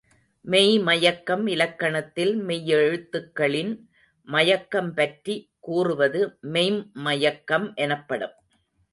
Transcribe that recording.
மெய் மயக்கம் இலக்கணத்தில் மெய்யெழுத்துகளின் மயக்கம் பற்றி கூறுவது மெய்ம் மயக்கம் எனப்படும்.